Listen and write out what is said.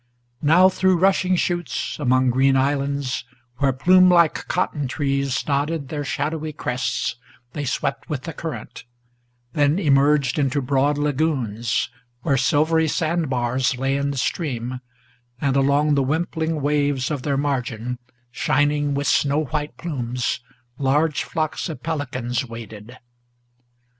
Now through rushing chutes, among green islands, where plumelike Cotton trees nodded their shadowy crests, they swept with the current, Then emerged into broad lagoons, where silvery sand bars Lay in the stream, and along the wimpling waves of their margin, Shining with snow white plumes, large flocks of pelicans waded.